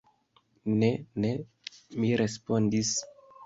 Ne, ne, mi respondis.